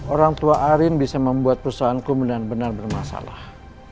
orang tua arin bisa membuat perusahaanku benar benar bermasalah